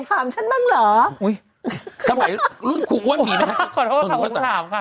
คุณแม่เคยไปไหม